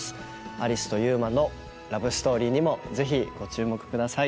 有栖と祐馬のラブストーリーにもぜひご注目ください